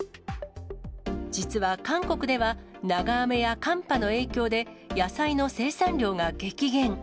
実は韓国では、長雨や寒波の影響で、野菜の生産量が激減。